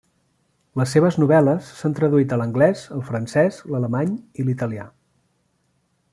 Les seves novel·les s'han traduït a l’anglès, el francès, l’alemany i l’italià.